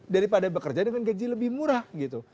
daripada bekerja dengan gaji lebih murah gitu